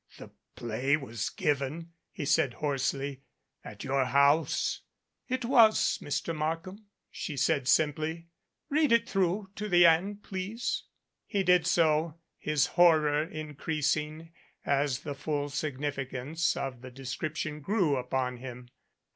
"The play was given," he said hoarsely, "at your house ?" "It was, Mr. Markham," she said simply. "Read it through to the end, please." He did so, his horror increasing as the full signifi cance of the description grew upon him.